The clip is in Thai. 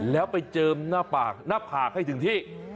แล้วไปเจิมหน้าผากให้ถึงที่